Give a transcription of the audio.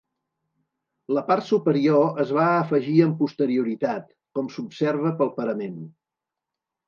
La part superior es va afegir amb posterioritat, com s'observa pel parament.